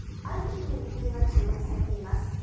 ＩＰＥＦの行方が注目されています。